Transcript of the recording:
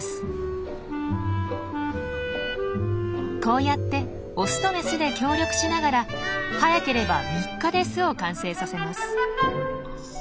こうやってオスとメスで協力しながら早ければ３日で巣を完成させます。